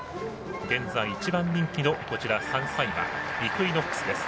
現在１番人気の３歳馬、イクイノックスです。